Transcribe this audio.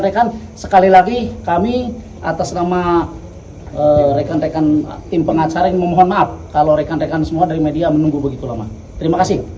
rekan sekali lagi kami atas nama rekan rekan tim pengacara ini memohon maaf kalau rekan rekan semua dari media menunggu begitu lama terima kasih